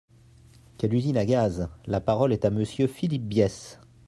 Quelle usine à gaz ! La parole est à Monsieur Philippe Bies.